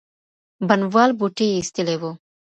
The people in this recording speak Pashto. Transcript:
بڼوال بوټي ایستلي وو.